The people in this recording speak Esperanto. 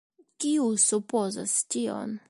Kiu supozas tion?